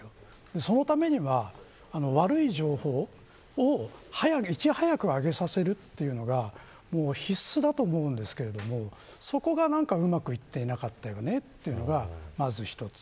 そのためには悪い情報をいち早く上げさせるというのが必須だと思うんですけどそこがうまくいっていなかったというのがまず一つ。